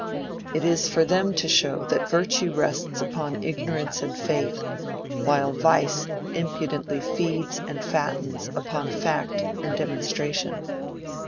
It is for them to show that virtue rests upon ignorance and faith, while vice impudently feeds and fattens upon fact and demonstration.